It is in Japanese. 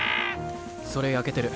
それ焼けてる。